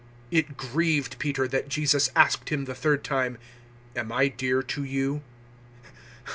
It grieved Peter that Jesus asked him the third time, "Am I dear to you?"